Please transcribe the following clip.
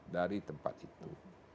dari tempat itu